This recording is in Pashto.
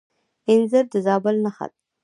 انځر د زابل نښه ده.